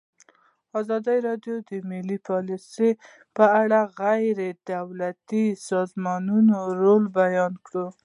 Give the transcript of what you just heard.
ازادي راډیو د مالي پالیسي په اړه د غیر دولتي سازمانونو رول بیان کړی.